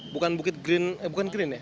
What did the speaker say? bukan bukit green eh bukan green ya